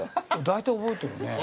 大体覚えてるね。